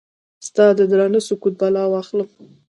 ستا ددرانده سکوت بلا واخلم؟